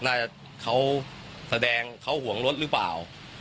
เขาแสดงเขาห่วงรถหรือเปล่า